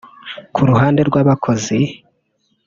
Ku ruhande rw’abakozi